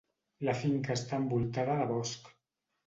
La finca està envoltada de bosc.